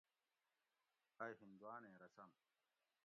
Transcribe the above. ائی ہندوآنیں رسم